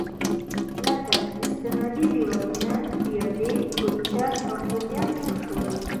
لكه: استنادي دېوالونه، ويالې، پولچك او كوهيان جوړ شول.